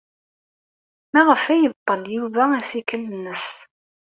Maɣef ay yebṭel Yuba assikel-nnes?